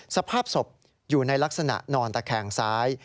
สภาพศพอยู่ในลักษณะนอนตะแคงซ้าย